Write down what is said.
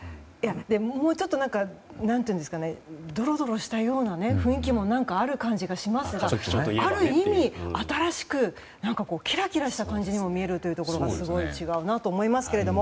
もうちょっとドロドロした雰囲気もある感じがしますがある意味、新しくキラキラした感じにも見えるというところが、すごく違うなと思いますけれども。